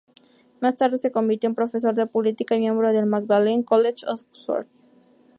Más tarde se convirtió en profesor de política y miembro del Magdalen College, Oxford.